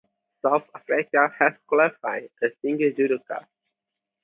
South Africa has qualified a single judoka.